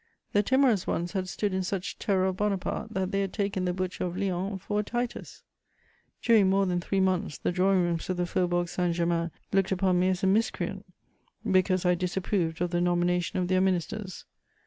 The timorous ones had stood in such terror of Bonaparte that they had taken the butcher of Lyons for a Titus. During more than three months, the drawing rooms of the Faubourg Saint Germain looked upon me as a miscreant, because I disapproved of the nomination of their ministers.